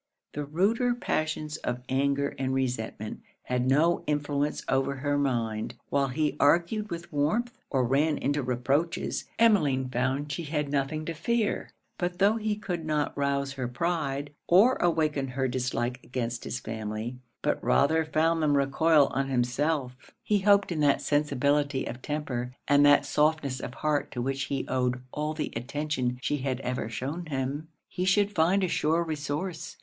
The ruder passions of anger and resentment had no influence over her mind. While he argued with warmth, or ran into reproaches, Emmeline found she had nothing to fear. But tho' he could not rouse her pride, or awaken her dislike against his family, but rather found them recoil on himself; he hoped in that sensibility of temper and that softness of heart to which he owed all the attention she had ever shewn him, he should find a sure resource.